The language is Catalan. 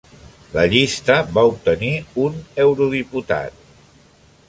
La llista va obtenir un eurodiputat.